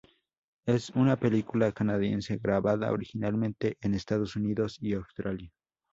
Es una película Canadiense grabada originalmente en Estados Unidos y Australia.